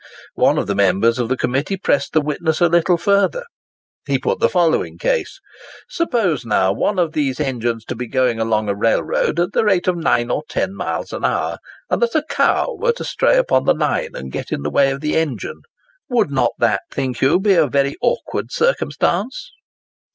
One of the members of the Committee pressed the witness a little further. He put the following case:—"Suppose, now, one of these engines to be going along a railroad at the rate of 9 or 10 miles an hour, and that a cow were to stray upon the line and get in the way of the engine; would not that, think you, be a very awkward circumstance?"